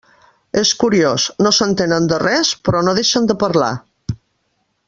És curiós, no s'entenen de res, però no deixen de parlar.